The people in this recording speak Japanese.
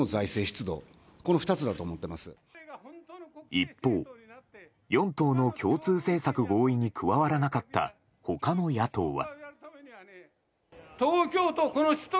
一方、４党の共通政策合意に加わらなかった、他の野党は。